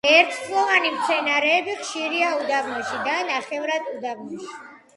ერთწლოვანი მცენარეები ხშირია უდაბნოში და ნახევრად უდაბნოში.